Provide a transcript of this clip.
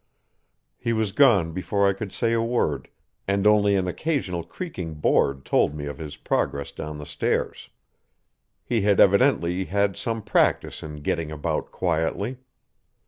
He was gone before I could say a word, and only an occasional creaking board told me of his progress down the stairs. He had evidently had some practice in getting about quietly.